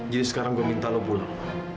jadi sekarang gue minta lo pulang